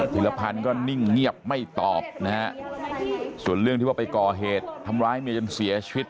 ธิรพันธ์ก็นิ่งเงียบไม่ตอบนะฮะส่วนเรื่องที่ว่าไปก่อเหตุทำร้ายเมียจนเสียชีวิต